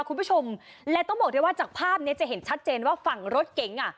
คุณผู้ชมและต้องบอกได้ว่าจากภาพเนี้ยจะเห็นชัดเจนว่าฝั่งรถเก๋งอ่ะ